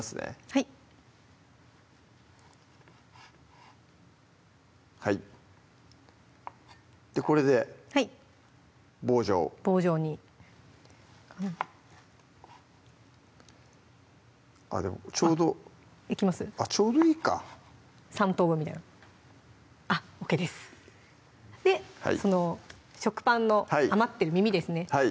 はいはいでこれで棒状棒状にでもちょうどあっちょうどいいか３等分みたいなあっＯＫですでその食パンの余ってるミミですね